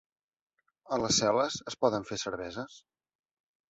A les cel·les es poden fer cerveses?